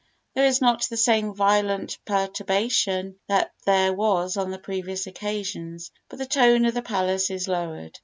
There is not the same violent perturbation that there was on the previous occasions, but the tone of the palace is lowered.